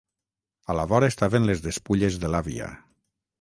A la vora estaven les despulles de l’àvia...